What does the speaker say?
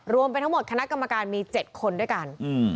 รวมไปทั้งหมดคณะกรรมการมี๗คนด้วยกัน